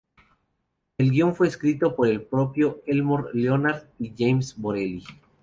El guion fue escrito por el propio Elmore Leonard y James Borelli.